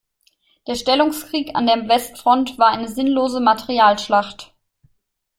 Der Stellungskrieg an der Westfront war eine sinnlose Materialschlacht.